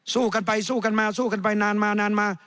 สู้กันไปสู้กันมาสู้กันไปนานมานานมา